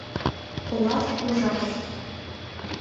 Олаш ужатышт.